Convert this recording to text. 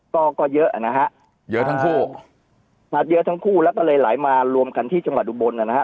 ก็ก็เยอะนะฮะเยอะทั้งคู่มาเยอะทั้งคู่แล้วก็เลยไหลมารวมกันที่จังหวัดอุบลนะฮะ